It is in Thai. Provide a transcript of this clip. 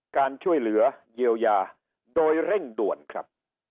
การช่วยเหลือเยียวยาโดยเร่งด่วนครับ